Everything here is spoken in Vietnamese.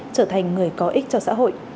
trở thành người có ích cho xã hội